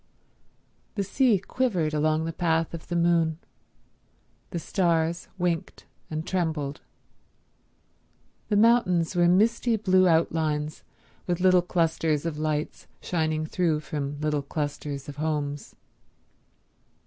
The sea quivered along the path of the moon. The stars winked and trembled. The mountains were misty blue outlines, with little clusters of lights shining through from little clusters of homes.